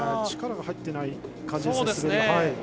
力が入ってない感じですね。